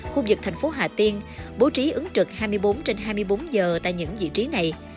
khu vực thành phố hà tiên bố trí ứng trực hai mươi bốn trên hai mươi bốn giờ tại những vị trí này